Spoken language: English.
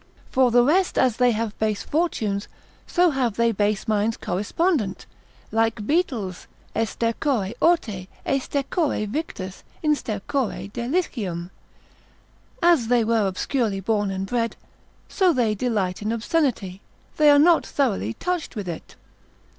For the rest, as they have base fortunes, so have they base minds correspondent, like beetles, e stercore orti, e stercore victus, in stercore delicium, as they were obscurely born and bred, so they delight in obscenity; they are not thoroughly touched with it.